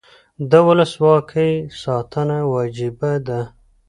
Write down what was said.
د ولسواکۍ ساتنه وجیبه ده